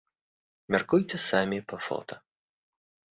Мяркуйце самі па фота.